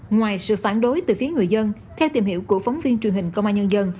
ngoài sự phản đối từ phía người dân theo tìm hiểu của phóng viên truyền hình công an nhân dân